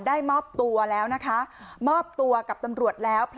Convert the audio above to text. มอบตัวแล้วนะคะมอบตัวกับตำรวจแล้ว